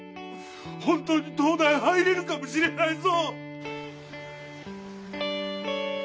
本当に東大入れるかもしれないぞ